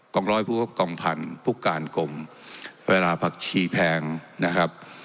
องร้อยผู้กองพันธุ์ผู้การกลมเวลาผักชีแพงนะครับ